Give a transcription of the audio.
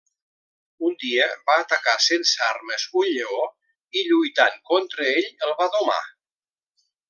Un dia va atacar sense armes un lleó, i lluitant contra ell, el va domar.